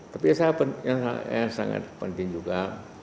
tapi yang sangat penting juga